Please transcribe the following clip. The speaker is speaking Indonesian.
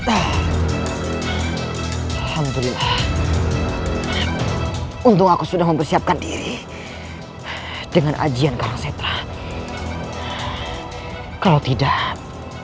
alhamdulillah untung aku sudah mempersiapkan diri dengan ajian karangsetlah kalau tidak